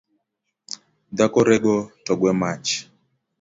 Dhako rego togwe mach